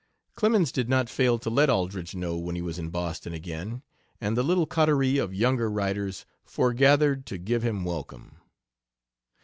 Clemens did not fail to let Aldrich know when he was in Boston again, and the little coterie of younger writers forgathered to give him welcome.